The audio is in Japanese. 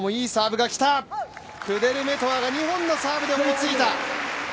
クデルメトワが２本のサーブで追いついた。